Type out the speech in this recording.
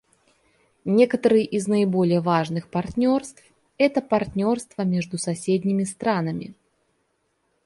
Некоторые из наиболее важных партнерств — это партнерства между соседними странами.